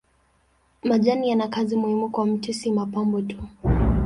Majani yana kazi muhimu kwa mti si mapambo tu.